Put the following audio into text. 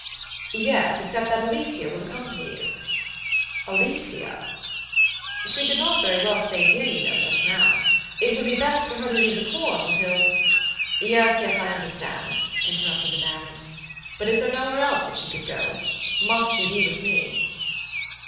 "Yes; except that Alicia will accompany you?" "Alicia!" "She could not very well stay here, you know, just now. It would be best for her to leave the Court until" "Yes, yes, I understand," interrupted the baronet; "but is there nowhere else that she could gomust she be with me?"